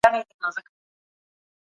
پخوانۍ زمانه کي داسې پېښې سوې وې.